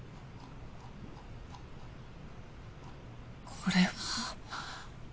これは。